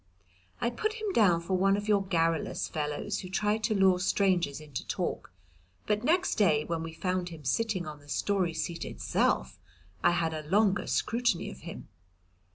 I put him down for one of your garrulous fellows who try to lure strangers into talk, but next day, when we found him sitting on the Story seat itself, I had a longer scrutiny of him.